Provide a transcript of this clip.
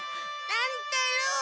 乱太郎！